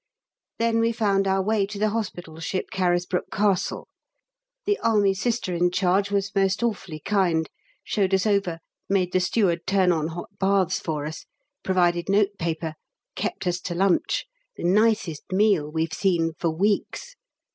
Then we found our way to the hospital ship Carisbrook Castle. The Army Sister in charge was most awfully kind, showed us over, made the steward turn on hot baths for us, provided notepaper, kept us to lunch the nicest meal we've seen for weeks!